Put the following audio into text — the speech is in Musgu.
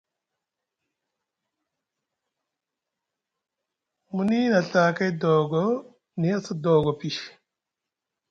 Muni na Ɵakay doogo, ni a sa doogo pi.